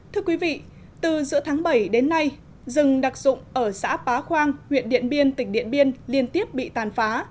thưa quý vị từ giữa tháng bảy đến nay rừng đặc dụng ở xã pá khoang huyện điện biên tỉnh điện biên liên tiếp bị tàn phá